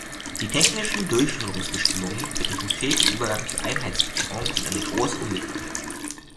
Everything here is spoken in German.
Die technischen Durchführungsbestimmungen für den konkreten Übergang zur Einheitswährung sind eine große Unbekannte.